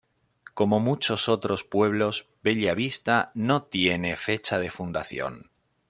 Como muchos otros pueblos, Bella Vista no tiene fecha de fundación.